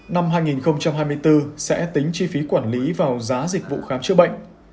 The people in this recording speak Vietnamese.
năm hai nghìn hai mươi bốn sẽ tính chi phí quản lý vào giá dịch vụ khám chữa bệnh